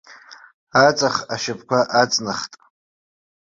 Аҵых ашьапқәа аҵнахт.